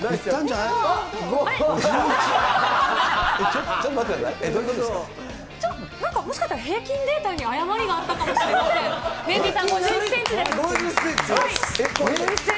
なんか、もしかしたら平均データに誤りがあったかもしれません。